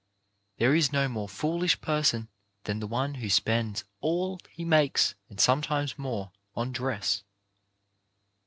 There is no more foolish person than the one who spends all he makes, and sometimes more, on dress.